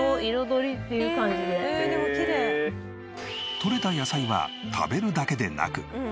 採れた野菜は食べるだけでなく。